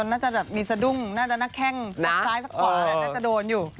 น่าจะแบบมีสะดุ้งน่าจะหน้าแข้งสักซ้ายสักขวาน่าจะโดนอยู่